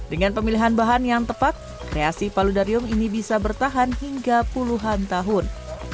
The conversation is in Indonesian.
dengan pemilihan bahan yang tepat kreasi paludarium ini bisa bertahan hingga puluhan tahun